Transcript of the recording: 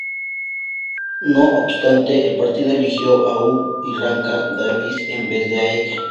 No obstante, el Partido eligió a Huw Irranca-Davies en vez de a ella.